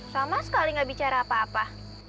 sama sekali nggak bicara apa apa